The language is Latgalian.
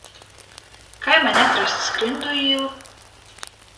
Kai maņ atrast Skryndu īlu?